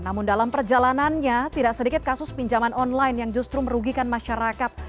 namun dalam perjalanannya tidak sedikit kasus pinjaman online yang justru merugikan masyarakat